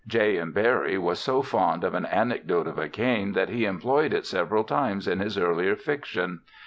J. M. Barrie was so fond of an anecdote of a cane that he employed it several times in his earlier fiction.